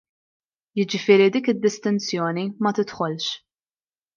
Jiġifieri dik id-distinzjoni ma tidħolx.